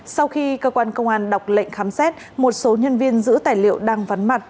sau khi cơ quan công an đọc lệnh khám xét một số nhân viên giữ tài liệu đang vắn mặt